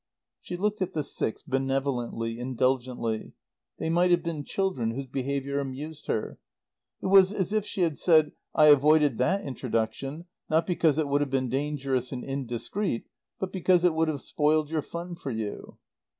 She looked at the six benevolently, indulgently. They might have been children whose behaviour amused her. It was as if she had said, "I avoided that introduction, not because it would have been dangerous and indiscreet, but because it would have spoiled your fun for you."